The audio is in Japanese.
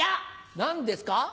何ですか？